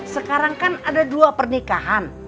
sekarang kan ada dua pernikahan